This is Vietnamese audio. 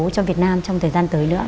cho việt nam trong thời gian tới nữa